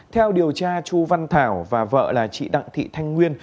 theo điều tra chu văn thảo và vợ là chị đặng thị thanh nguyên